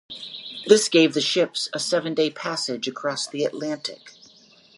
This gave the ships a seven-day passage across the Atlantic.